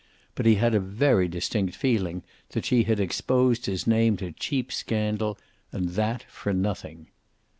But he had a very distinct feeling that she had exposed his name to cheap scandal, and that for nothing.